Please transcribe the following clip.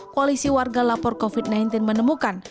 koalisi warga lapor covid sembilan belas menemukan